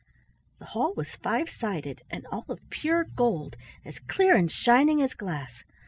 The hall was five sided, and all of pure gold, as clear and shining as glass.